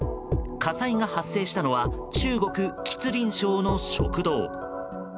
火災が発生したのは中国・吉林省の食堂。